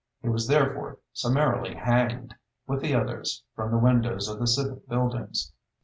He was therefore summarily hanged with the others from the windows of the civic buildings.